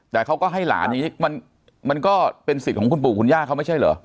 แต่เขาก็ให้หลานอย่างนี้มันก็เป็นสิทธิ์ของคุณปู่คุณย่าเขาไม่ใช่เหรอ